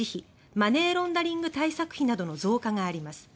マネーロンダリング対策費などの増加があります。